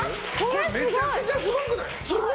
これ、めちゃくちゃすごくない？